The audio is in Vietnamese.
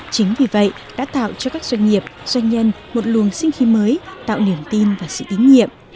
chính vì vậy đã tạo cho các doanh nghiệp doanh nhân một luồng sinh khí mới tạo niềm tin và sự tín nhiệm